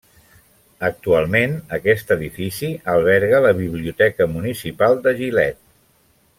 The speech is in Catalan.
Actualment, aquest edifici alberga la Biblioteca municipal de Gilet.